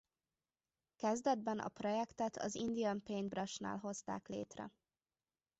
Kezdetben a projektet az Indian Paintbrush-nál hozták létre.